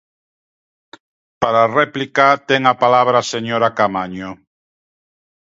Para a réplica ten a palabra a señora Caamaño.